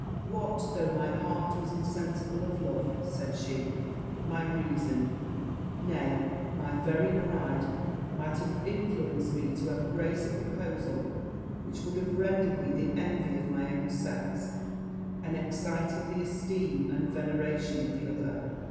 'What, though my heart was insensible of love,' said she, 'my reason, nay, my very pride, might have influenced me to embrace a proposal which would have rendered me the envy of my own sex, and excited the esteem and veneration of the other.'